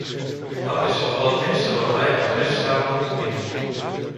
Dat is toch wel het minste wat wij als rechtsstaat moeten bieden.